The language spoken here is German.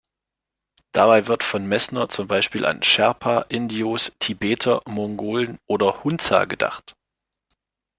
Dabei wird von Messner zum Beispiel an Sherpa, Indios, Tibeter, Mongolen oder Hunza gedacht.